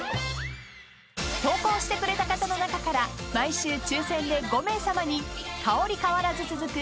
［投稿してくれた方の中から毎週抽選で５名さまに香り変わらず続く